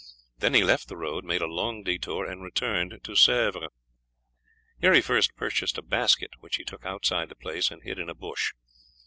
Then he left the road, made a long detour, and returned to Sèvres. Here he first purchased a basket, which he took outside the place and hid in a bush.